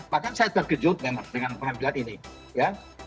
bahkan saya terkejut dengan pemain pemain ini